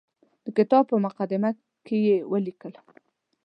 د کتاب په مقدمه کې یې ولیکل.